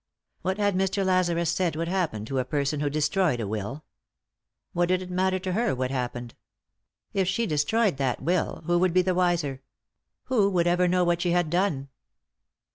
What had Mr. Lazarus said would happen to a person who destroyed a will ? What did it matter to her what happened ? If she destroyed that will, who would be the wiser ? Who would ever know what she had done